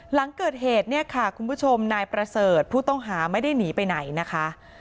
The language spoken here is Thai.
หลังเกิดเหตุเนี่ยค่ะคุณผู้ชมนายประเสริฐผู้ต้องหาไม่ได้หนีไปไหนนะคะ